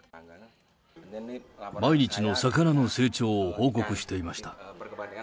毎日の魚の成長を報告していました。